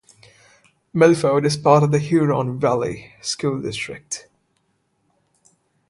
Milford is part of the Huron Valley Schools district.